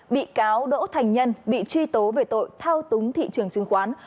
bị cáo đỗ thành nhân bị truy tố về tội thao túng thị trường chứng khoán